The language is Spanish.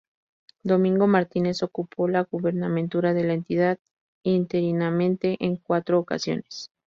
Domingo Martínez ocupó la gubernatura de la entidad interinamente en cuatro ocasiones.